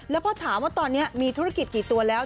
แล้วพอถามว่าตอนนี้มีธุรกิจกี่ตัวแล้ว